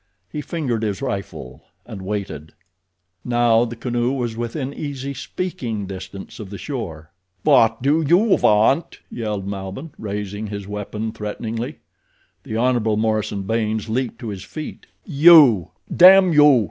He fingered his rifle, and waited. Now the canoe was within easy speaking distance of the shore. "What do you want?" yelled Malbihn, raising his weapon threateningly. The Hon. Morison Baynes leaped to his feet. "You, damn you!"